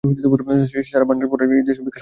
সারা Bernhardt ফরাসীদেশীয়া বিখ্যাত অভিনেত্রী।